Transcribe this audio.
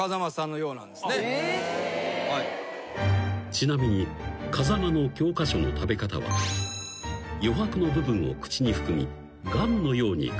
［ちなみに風間の教科書の食べ方は余白の部分を口に含みガムのようにかんでいたという］